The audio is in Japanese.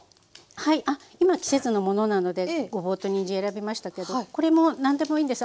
はい今は季節のものなのでごぼうとにんじん選びましたけどこれも何でもいいんです。